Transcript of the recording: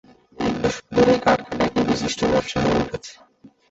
এক দশক ধরে কাঠ কাটা একটি বিশিষ্ট ব্যবসা হয়ে উঠেছে।